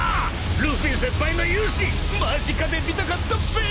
［ルフィ先輩の勇姿間近で見たかったべ！］